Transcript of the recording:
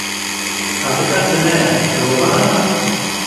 Heqîqet tune ye, şîrove hene.